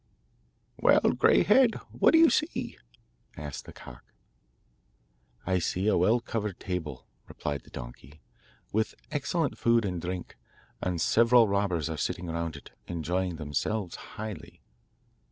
'Well, greyhead, what do you see?' asked the cock. 'I see a well covered table,' replied the donkey, 'with excellent food and drink, and several robbers are sitting round it, enjoying themselves highly.